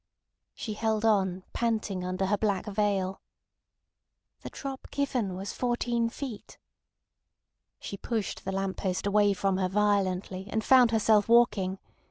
She held on, panting under her black veil. "The drop given was fourteen feet." She pushed the lamp post away from her violently, and found herself walking.